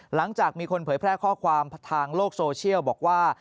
หลังจากมีคนเผยแพร่ข้อความทางโลกโซเชียลบอกว่า